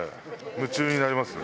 夢中になります。